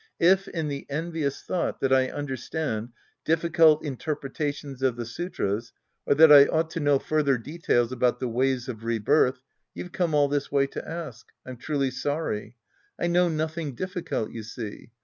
If, in the envious thought that I understand difficult interpretations of the sutras or that I ought to laiow further details about the ways of rebirth, you've come all this way to ask, I'm truly sorry. I know nothing difficult, you see.